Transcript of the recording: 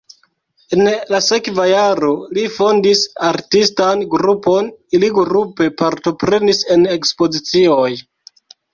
En la sekva jaro li fondis artistan grupon, ili grupe partoprenis en ekspozicioj.